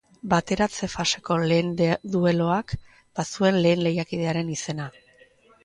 Bateratze faseko lehen dueluak bazuen lehen lehiakidearen izena.